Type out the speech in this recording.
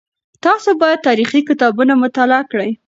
تاسو باید تاریخي کتابونه مطالعه کړئ.